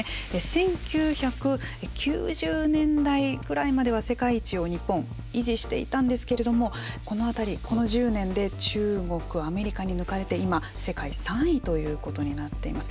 １９９０年代ぐらいまでは世界一を日本、維持していたんですけれどもこの辺り、この１０年で中国、アメリカに抜かれて今、世界３位ということになっています。